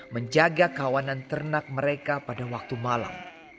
menjaga kawanan ternak mereka pada waktu malam